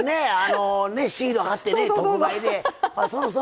シール貼ってね、特売で。